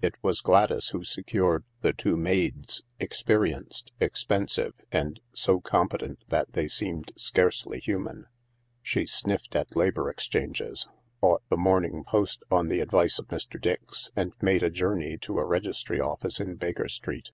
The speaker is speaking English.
••■••. It was Gladys who secured the two maids, experienced, expensive, and so competent that they seemed scarcely human She sniffed at Labour Exchanges, bought the Morning Post on the advice of Mr. Dix, and made a journey to a registry office in Baker Street.